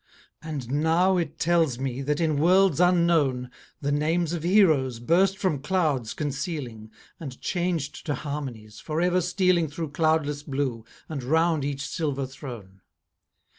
And now it tells me, that in worlds unknown, The names of heroes, burst from clouds concealing, And changed to harmonies, for ever stealing Through cloudless blue, and round each silver throne.